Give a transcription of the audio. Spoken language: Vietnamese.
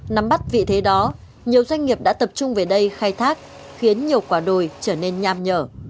nắm bắt vị thế đó nhiều doanh nghiệp đã tập trung về đây khai thác khiến nhiều quả đồi trở nên nham nhở